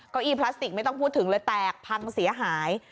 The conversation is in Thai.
เก้าอี้พลาสติกไม่ต้องพูดถึงเลยแตกพังเสียหาย